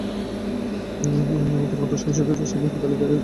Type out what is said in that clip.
পূর্বোক্ত সংশোধিত সমিতি-তালিকায় এর অনেকগুলির নাম-পরিচয় আছে।